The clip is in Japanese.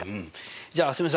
じゃあ蒼澄さん